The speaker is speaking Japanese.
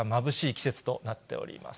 季節となっております。